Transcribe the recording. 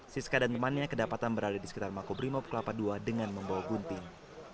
siska dan temannya kedapatan berada di sekitar makobrimo peklapa dua dengan membawa gunting